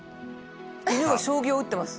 犬が将棋を打ってます。